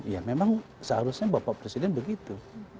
ya memang seharusnya bapak presiden begitu